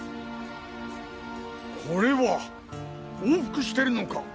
これは往復してるのか？